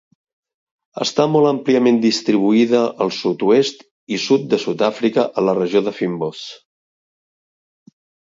Està molt àmpliament distribuïda al sud-oest i sud de Sud-àfrica, a la regió fynbos.